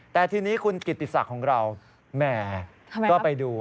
แต่ทีนี้คุณกิติศักดิ์ของเราแหมก็ไปดู